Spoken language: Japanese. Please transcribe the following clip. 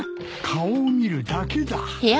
顔を見るだけだ。